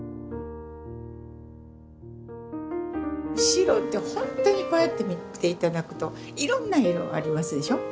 白って本当にこうやって見て頂くといろんな色ありますでしょ。